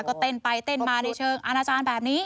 ก็เต้นไปเต้นมาในเชิงอาณาจารย์แบบนี้